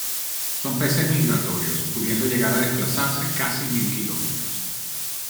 Son peces migratorios, pudiendo llegar a desplazarse casi mil kilómetros.